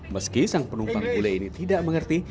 meski sang penumpang bule ini tidak mengerti